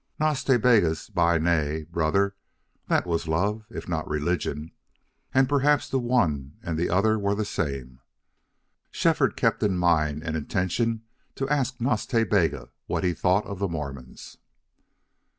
Nas Ta Bega's "Bi Nai" (brother) that was love, if not religion, and perhaps the one and the other were the same. Shefford kept in mind an intention to ask Nas Ta Bega what he thought of the Mormons.